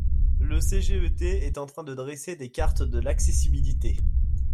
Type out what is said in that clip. Le CGET est en train de dresser des cartes de l’accessibilité.